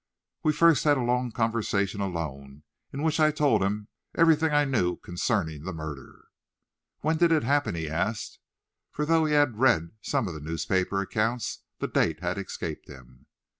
We first had a long conversation alone, in which I told him, everything I knew concerning the murder. "When did it happen?" he asked, for, though he had read some of the newspaper accounts, the date had escaped him.